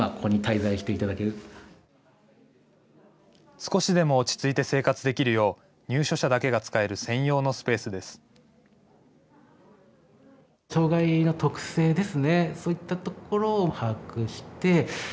少しでも落ち着いて生活できるよう入所者だけが使える専用のスペースです。